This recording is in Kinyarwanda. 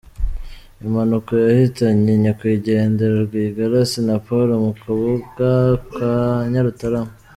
Impanuka yahitanye Nyakwigendera Rwigara Assinapol mu kabuga ka Nyarutarama